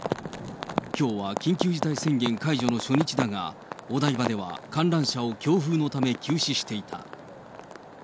きょうは緊急事態宣言解除の初日だが、お台場では観覧車を強風のため休止していた。